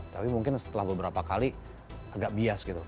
tapi mungkin setelah beberapa kali agak bias gitu